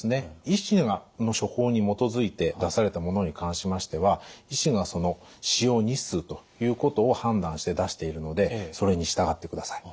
医師の処方に基づいて出されたものに関しましては医師が使用日数ということを判断して出しているのでそれに従ってください。